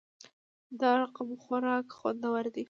دا رقمخوراک خوندور وی